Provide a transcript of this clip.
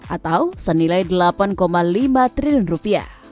atau senilai rp delapan lima triliun